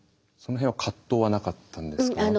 その辺は葛藤はなかったんですか？